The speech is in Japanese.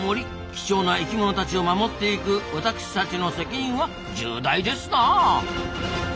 貴重な生きものたちを守っていく私たちの責任は重大ですな。